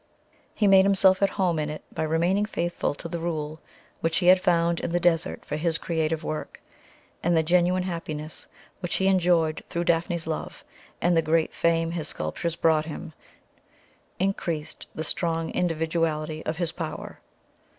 He made himself at home in it by remaining faithful to the rule which he had found in the desert for his creative work, and the genuine happiness which he enjoyed through Daphne's love and the great fame his sculptures brought him increased the strong individuality of his power.